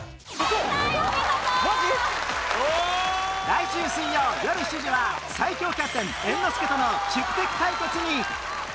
来週水曜よる７時は最強キャプテン猿之助との宿敵対決に Ｈｅｙ！